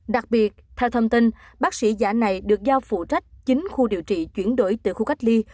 đặc biệt theo thông tin bác sĩ giả này được giao phụ trách chính khu điều trị chuyển đổi từ khu cách ly